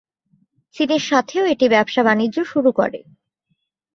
চীনের সাথেও এটি ব্যবসা-বাণিজ্য শুরু করে।